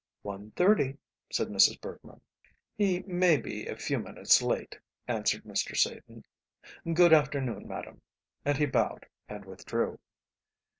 "One thirty," said Mrs. Bergmann. "He may be a few minutes late," answered Mr. Satan. "Good afternoon, madam," and he bowed and withdrew.